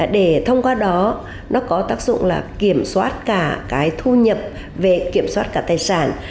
để thông qua đó nó có tác dụng là kiểm soát cả cái thu nhập về kiểm soát cả tài sản